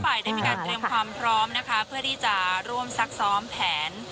ในที่ทุกฝ่ายได้มีการเตรียมความพร้อมเพื่อที่จะร่วมซักซ้อมแผน